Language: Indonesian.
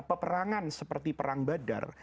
peperangan seperti perang badar